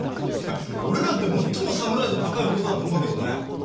俺なんて最もサムライ度高い男だと思うけどね。